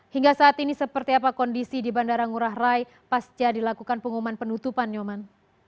hingga saat ini seperti apa kondisi di bandara ngurah rai pasca dilakukan pengumuman penutupan nyoman